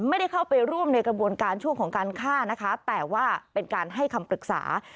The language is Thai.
ไม่ได้เข้าไปร่วมในกระบวนการช่วงของการฆ่านะคะแต่ว่าเป็นการให้คำปรึกษา